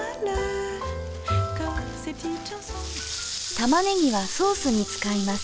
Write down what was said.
玉ねぎはソースに使います。